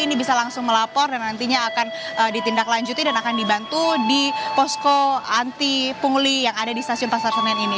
ini bisa langsung melapor dan nantinya akan ditindaklanjuti dan akan dibantu di posko anti pungli yang ada di stasiun pasar senen ini